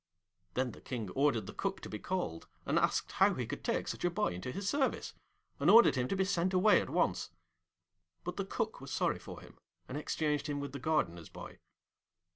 Then the King ordered the Cook to be called, and asked how he could take such a boy into his service, and ordered him to be sent away at once. But the Cook was sorry for him, and exchanged him with the Gardener's boy.